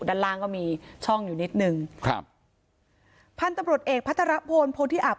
ด้านล่างก็มีช่องอยู่นิดหนึ่งครับพันธุ์ตำรวจเอกพัทรพลโพธิอับ